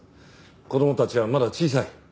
子供たちはまだ小さい。